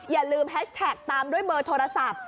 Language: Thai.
อย่าลืมแฮชแท็กตามด้วยเบอร์โทรศัพท์